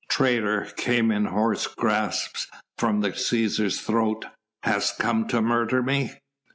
"Traitor!" came in hoarse gasps from the Cæsar's throat. "Hast come to murder me!"